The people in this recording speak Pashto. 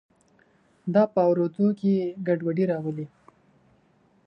دا په اوریدو کې ګډوډي راولي.